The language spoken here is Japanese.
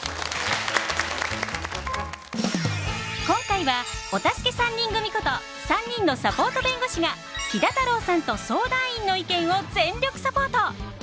今回はお助け３人組こと３人のサポート弁護士がキダ・タローさんと相談員の意見を全力サポート。